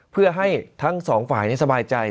เพื่อให้ทั้งสองฝ่ายสบายใจ